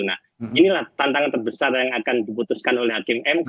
nah inilah tantangan terbesar yang akan diputuskan oleh hakim mk